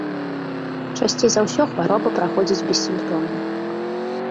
Часцей за ўсё хвароба праходзіць бессімптомна.